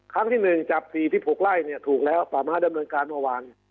ครั้งที่๑จับ๔๖ไล่ถูกแล้วป่าไม้ดำเนินการเมื่อวาน